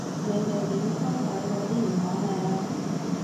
你哋點溝仔嗰啲唔講嘞？